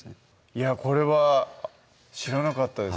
いやこれは知らなかったです